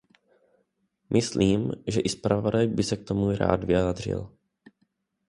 Myslím, že i zpravodaj by se k tomu rád vyjádřil.